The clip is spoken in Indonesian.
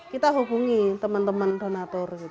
kita hubungi teman teman donatur